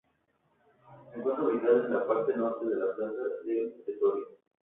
Se encuentra ubicado en la parte norte de la plaza del Pretorio.